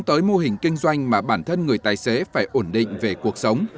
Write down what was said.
tới mô hình kinh doanh mà bản thân người tài xế phải ổn định về cuộc sống